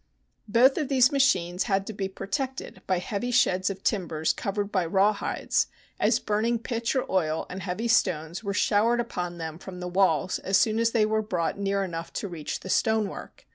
Both of these machines had to be protected by heavy sheds of timbers covered by rawhides, as burning pitch or oil and heavy stones were showered upon them from the walls as soon as they were brought near enough to reach the stonework.